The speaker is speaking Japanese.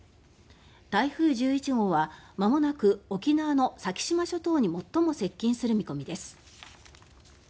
台風１１号はまもなく沖縄の先島諸島に最も接近する見込みです。